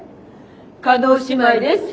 叶姉妹です。